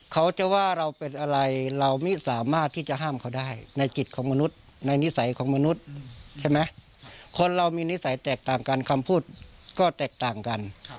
คนเรามีนิสัยแตกต่างกันคำพูดก็แตกต่างกัน